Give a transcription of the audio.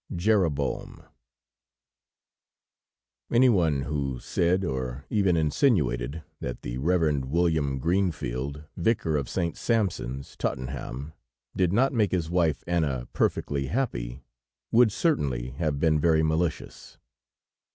JEROBOAM Anyone who said, or even insinuated, that the Reverend William Greenfield, Vicar of St. Sampson's, Tottenham, did not make his wife Anna perfectly happy, would certainly have been very malicious.